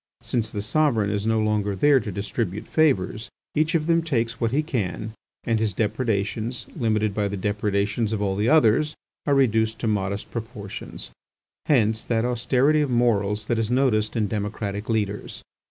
Since the sovereign is no longer there to distribute favours, each of them takes what he can, and his depredations, limited by the depredations of all the others, are reduced to modest proportions. Hence that austerity of morals that is noticed in democratic leaders.